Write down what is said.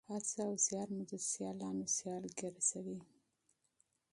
کوښښ او زیار مو د سیالانو سیال ګرځوي.